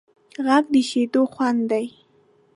غږ د شیدو خوند دی